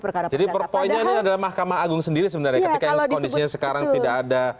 perkara perkara yang ada mahkamah agung sendiri sebenarnya kalau kondisinya sekarang tidak ada